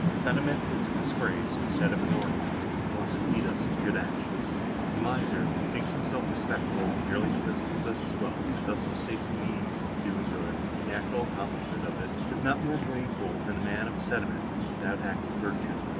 Sentiment is a disgrace, instead of an ornament, unless it lead us to good actions. The miser, who thinks himself respectable, merely because he possesses wealth, and thus mistakes the means of doing good, for the actual accomplishment of it, is not more blameable than the man of sentiment, without active virtue.